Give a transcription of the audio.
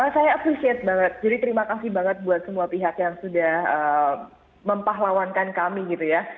saya appreciate banget jadi terima kasih banget buat semua pihak yang sudah mempah lawankan kami gitu ya